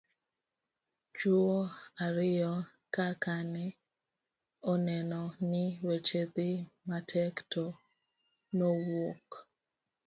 chuwo ariyo ka kane oneno ni weche dhi matek to nowuok